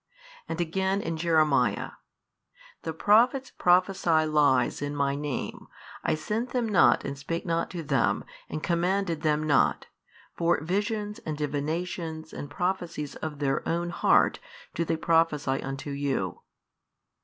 And again in Jeremiah, The prophets prophesy lies |521 in My Name, I sent them not and spake not to them and commanded them not; for visions and divinations and prophecies of their own heart do they prophesy unto you.